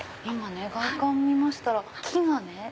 今ね外観見ましたら木がね。